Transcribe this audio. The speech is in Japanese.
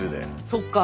そっか。